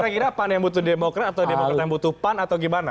jadi apaan yang butuh demokrat atau demokrat yang butuh pan atau gimana